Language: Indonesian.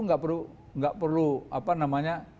enggak perlu merasa apa namanya